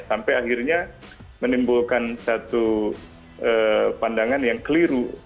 sampai akhirnya menimbulkan satu pandangan yang keliru